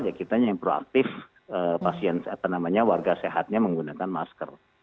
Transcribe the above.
ya kita yang proaktif pasien apa namanya warga sehatnya menggunakan masker